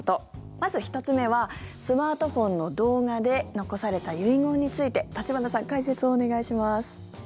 まず１つ目は、スマートフォンの動画で残された遺言について橘さん、解説をお願いします。